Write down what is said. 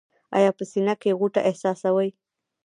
ایا په سینه کې غوټه احساسوئ؟